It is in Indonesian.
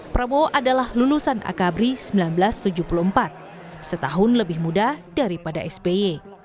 prabowo adalah lulusan akabri seribu sembilan ratus tujuh puluh empat setahun lebih muda daripada sby